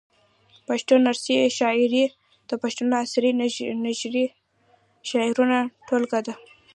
پښتو نثري شاعري د پښتو عصري نثري شعرونو ټولګه ده.